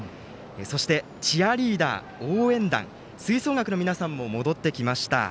そして、チアリーダー応援団、吹奏楽の皆さんも戻ってきました。